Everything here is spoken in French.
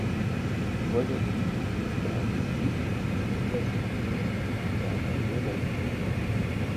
Trois amies vivent à Eastwick, un village tranquille et puritain du Rhode Island.